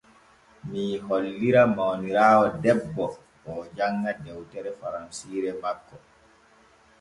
Mii hollira mawniraawo debbo oo janŋa dewtere faransiire makko.